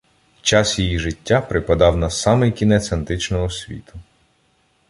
Час її життя припадав на самий кінець античного світу.